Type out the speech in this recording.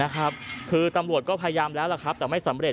คือตำรวจก็พยายามแล้วแต่ไม่สำเร็จ